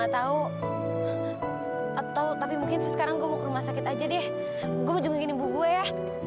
tapi hati seseorang disana